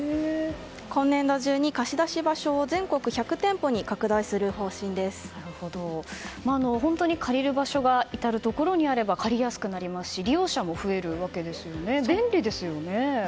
今年度中に貸し出し場所を全国１００店舗に本当に借りる場所が至るところにあれば借りやすくなりますし利用者も増えるわけで便利ですよね。